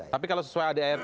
tapi kalau sesuai adrt